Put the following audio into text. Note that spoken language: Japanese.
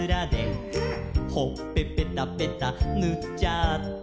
「ほっぺぺたぺたぬっちゃった」